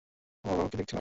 আমার বাবাকে দেখছিলাম।